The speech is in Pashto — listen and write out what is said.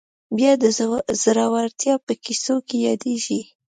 باز د زړورتیا په کیسو کې یادېږي